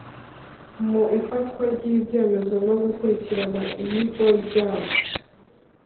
mu ifatwa ry ibyemezo no gukurikirana iyigwa ryabyo